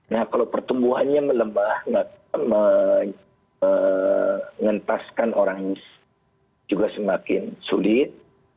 nah kalau pertumbuhannya melemah mengentaskan orang juga semakin sulit